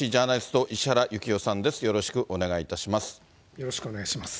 よろしくお願いします。